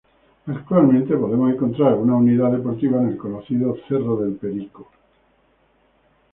Actualmente podemos encontrar una unidad deportiva en el conocido "Cerro del Perico".